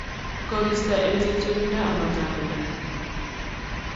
kosirto eng chepchepindo ama tabendo